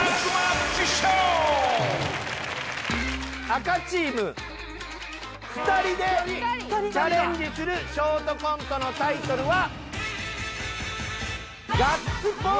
赤チーム２人でチャレンジするショートコントのタイトルは。